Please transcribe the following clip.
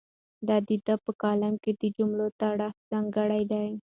د ده په کلام کې د جملو تړښت ځانګړی دی.